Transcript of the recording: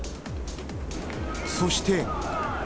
そして。